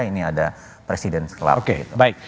ini ada presiden club